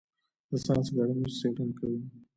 د ساینس اکاډمي څیړنې کوي